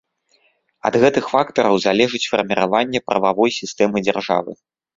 Ад гэтых фактараў залежыць фарміраванне прававой сістэмы дзяржавы.